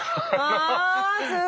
あすごい！